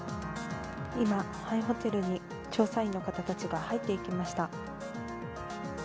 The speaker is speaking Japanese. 今、廃ホテルに調査員の方たちが入っていきました。